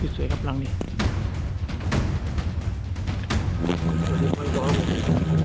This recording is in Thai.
สวยครับหลังนี้